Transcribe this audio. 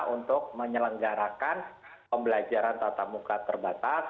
untuk menyelenggarakan pembelajaran tatap muka terbatas